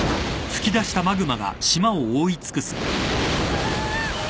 ああ。